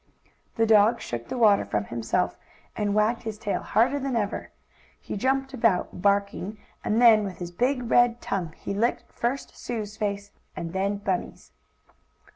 The dog shook the water from himself, and wagged his tail harder than ever. He jumped about, barking, and then, with his big red tongue, he licked first Sue's face, and then Bunny's.